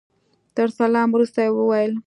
تر سلام وروسته يې وويل.